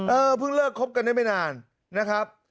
เพิ่งเลิกคบกันได้ไม่นานนะครับ